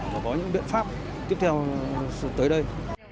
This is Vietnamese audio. và có những biện pháp tiếp theo tới đây